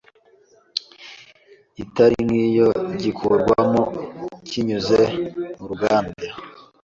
atari nk’iyo gikurwamo kinyuze mu ruganda